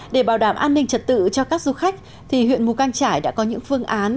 để bảo đảm an ninh trật tự cho các du khách huyện mù căng trải đã có những phương án